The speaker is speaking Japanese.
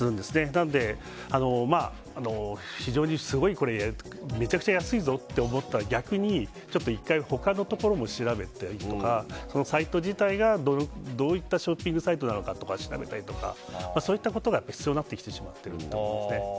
なのでめちゃくちゃ安いぞと思ったら逆に他のところも調べたりとかそのサイト自体がどういったショッピングサイトなのかを調べたりとか、そういったことが必要になってきてしまっています。